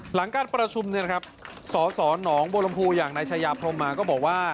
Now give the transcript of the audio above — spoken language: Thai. หลังการประชุมสสหนองบัวลำพูอย่างนายชายาพรมมาก็บอกว่า